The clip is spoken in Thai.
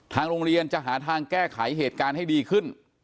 ทางโรงเรียนจะหาทางแก้ไขเหตุการณ์ให้ดีขึ้น